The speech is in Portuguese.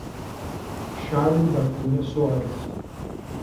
Charle da Cunha Soares